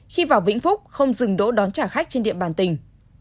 khi vào vĩnh phúc không dừng đỗ đón trả khách trên địa bàn tỉnh